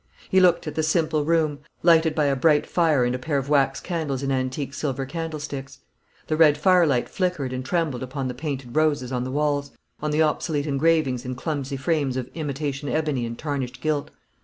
He looked at the simple room, lighted by a bright fire and a pair of wax candles in antique silver candlesticks. The red firelight flickered and trembled upon the painted roses on the walls, on the obsolete engravings in clumsy frames of imitation ebony and tarnished gilt.